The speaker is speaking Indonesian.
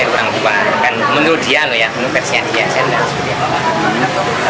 kan menurut dia penuh persiaan